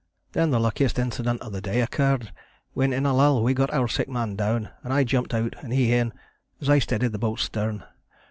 Then the luckiest incident of the day occurred, when in a lull we got our sick man down, and I jumped out, and he in, as I steadied the boat's stern.